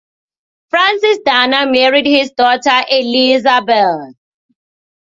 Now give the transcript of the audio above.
Francis Dana married his daughter Elizabeth.